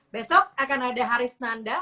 besok akan ada haris nanda